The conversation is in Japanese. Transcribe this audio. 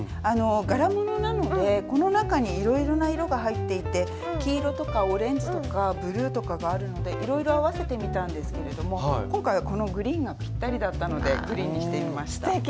あの柄ものなのでこの中にいろいろな色が入っていて黄色とかオレンジとかブルーとかがあるのでいろいろ合わせてみたんですけれども今回はこのグリーンがぴったりだったのでグリーンにしてみました。